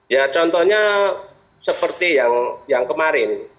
ya contohnya seperti yang kemarin